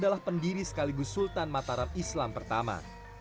dan adalah pendiri sekaligus sultan mataram islam pertama